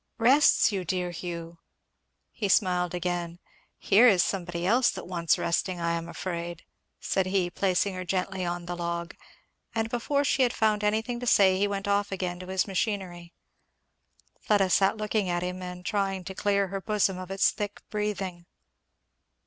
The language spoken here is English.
"Rests you, dear Hugh! " He smiled again. "Here is somebody else that wants resting, I am afraid," said he, placing her gently on the log; and before she had found anything to say he went off again to his machinery. Fleda sat looking at him and trying to clear her bosom of its thick breathing.